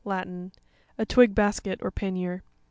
— Latin. A twig basket, or pannier.